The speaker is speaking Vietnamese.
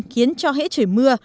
khiến cho hễ trời mưa